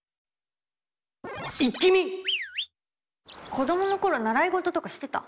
子供の頃習い事とかしてた？